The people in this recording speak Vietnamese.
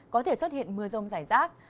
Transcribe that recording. có thể xuất hiện mưa rông rải rác